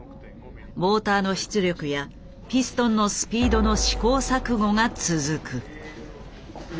モーターの出力やピストンのスピードの試行錯誤が続く。